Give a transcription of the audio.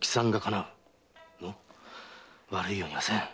のう悪いようにはせん。